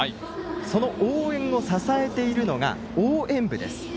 その応援を支えているのが応援部です。